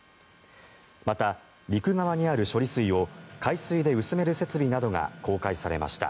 また、陸側にある処理水を海水で薄める設備などが公開されました。